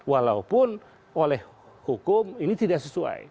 walaupun oleh hukum ini tidak sesuai